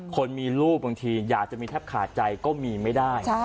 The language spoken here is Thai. คนมีลูกบางทีอยากจะมีแทบขาดใจก็มีไม่ได้